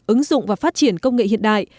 ứng dụng và phát triển công nghệ hiện đại